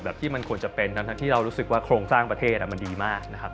ที่มันควรจะเป็นทั้งที่เรารู้สึกว่าโครงสร้างประเทศมันดีมากนะครับ